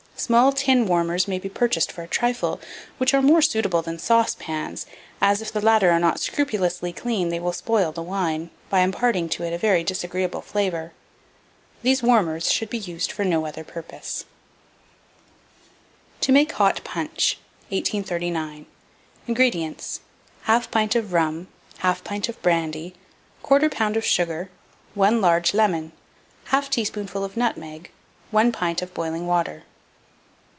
Small tin warmers may be purchased for a trifle, which are more suitable than saucepans, as, if the latter are not scrupulously clean, they will spoil the wine, by imparting to it a very disagreeable flavour. These warmers should be used for no other purposes. TO MAKE HOT PUNCH. 1839. INGREDIENTS. 1/2 pint of rum, 1/2 pint of brandy, 1/4 lb. of sugar, 1 large lemon, 1/2 teaspoonful of nutmeg, 1 pint of boiling water.